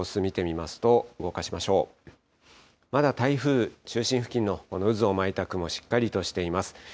まだ台風、中心付近の渦を巻いた雲、しっかりとしています。